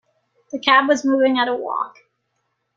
The cab was moving at a walk.